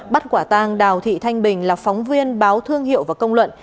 bắt quả tang đào thị thanh bình là phóng viên báo thương hiệu và công luận